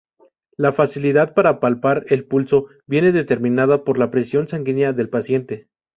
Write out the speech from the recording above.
La facilidad para palpar el pulso viene determinada por la presión sanguínea del paciente.